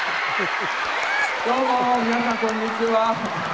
どうも皆さんこんにちは。